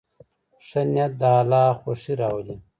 ښه نیت د الله خوښي راولي.